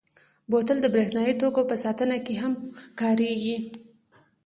بوتل د برېښنايي توکو په ساتنه کې هم کارېږي.